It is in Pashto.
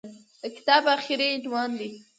د کتاب اخري عنوان دى.